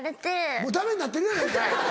もうダメになってるやないかい！